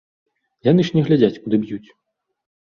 Яны ж не глядзяць, куды б'юць.